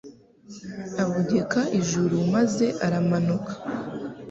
Abogeka ijuru maze aramanuka